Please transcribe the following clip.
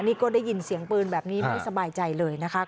นี่ก็ได้ยินเสียงปืนแบบนี้ไม่สบายใจเลยนะคะ